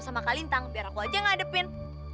sama kalintang biar aku aja ngadepin